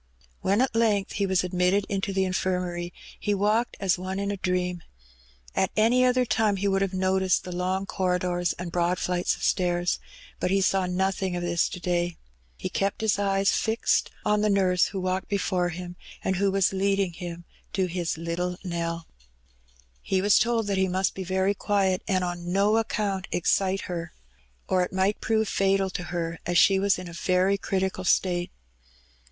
When at length he was admitted into the Infirmary he walked as one in a dream. At any other time he would have noticed the long corridors and brpad fiights of stairs. But he savr nothing of this to day. He kept his eyes fixed 118 Her Benny. on the nurse who walked before him^ and who was leading him to his little Nell. He was told that he mast be very qaiet^ and on no account excite her^ or it might prove fatal to her^ as she was in a very critical state.